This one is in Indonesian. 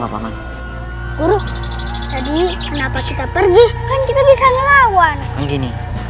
tadi kenapa kita pergi kan kita bisa ngelawan